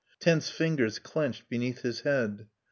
Tense fingers clenched beneath his head